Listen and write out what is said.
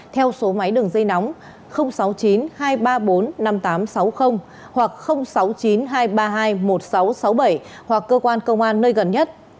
theo số máy đường dây nóng sáu mươi chín hai trăm ba mươi bốn năm nghìn tám trăm sáu mươi hoặc sáu mươi chín hai trăm ba mươi hai một nghìn sáu trăm sáu mươi bảy hoặc cơ quan công an nơi gần nhất